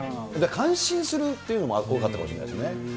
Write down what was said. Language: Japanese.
感心するっていうのも多かったかもしれないですね。